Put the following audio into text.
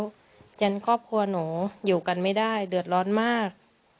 เพราะฉะนั้นครอบครัวหนูอยู่กันไม่ได้เดือดร้อนมาก